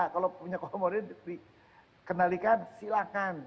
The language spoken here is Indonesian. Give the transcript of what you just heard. kalau punya comorbid dikenalikan silahkan